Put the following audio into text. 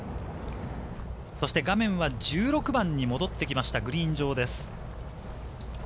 画面は１６番に戻ってきました、グリーン上です。